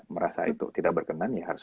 merasa itu tidak berkenan ya harus